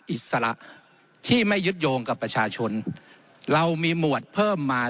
อิสระที่ไม่ยึดโยงกับประชาชนเรามีหมวดเพิ่มมา